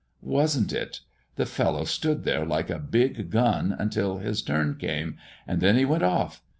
"Was'nt it! The fellow stood there, like a big gun, until his turn came, and then he went off!